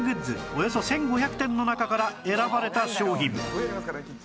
およそ１５００点の中から選ばれた商品